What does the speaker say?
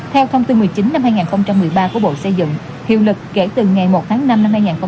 theo thông tư một mươi chín năm hai nghìn một mươi ba của bộ xây dựng hiệu lực kể từ ngày một tháng năm năm hai nghìn một mươi chín